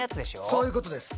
そういうことです。